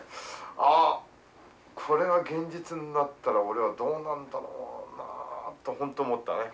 あっこれが現実になったら俺はどうなんだろうなと本当思ったね。